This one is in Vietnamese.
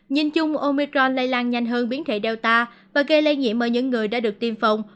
nhìn chung omicron lây lan nhanh hơn biến thể data và gây lây nhiễm ở những người đã được tiêm phòng